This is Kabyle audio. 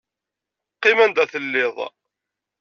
Qqim anda telliḍ.